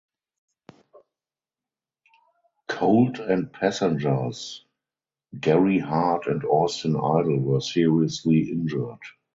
Colt and passengers Gary Hart and Austin Idol were seriously injured.